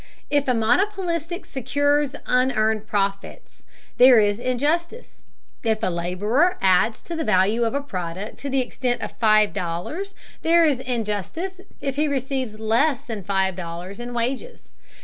If a monopolist secures unearned profits, there is injustice. If a laborer adds to the value of a product to the extent of five dollars, there is injustice if he receives less than five dollars in wages.